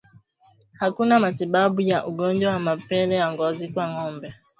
Hakuna matibabu ya ugonjwa wa mapele ya ngozi kwa ngombe